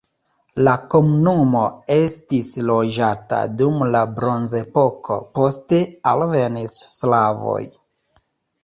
La komunumo estis loĝata dum la bronzepoko, poste alvenis slavoj.